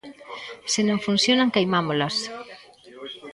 Se non funcionan queimámolas.